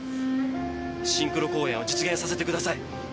シンクロ公演を実現させてください。